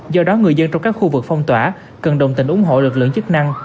do đó người dân trong các khu vực phong tỏa cần đồng tình ủng hộ lực lượng chức năng